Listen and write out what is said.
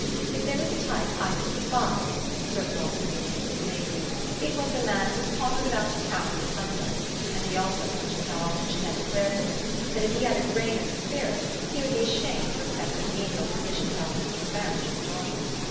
If there was a type Ida despised, Sir Claude communicated to Maisie, it was the man who pottered about town of a Sunday; and he also mentioned how often she had declared to him that if he had a grain of spirit he would be ashamed to accept a menial position about Mr. Farange's daughter.